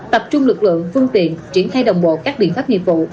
tập trung lực lượng phương tiện triển khai đồng bộ các biện pháp nghiệp vụ